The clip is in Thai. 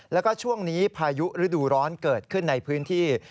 แล้วก็ช่วงนี้พายุฤดูร้อนเกิดขึ้นในพื้นที่